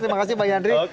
terima kasih pak yandri